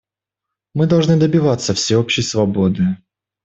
Мы должны добиваться всеобщей свободы.